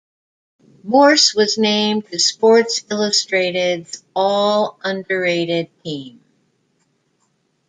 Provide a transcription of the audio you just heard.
Morse was named to "Sports Illustrated"'s "All-Underrated Team".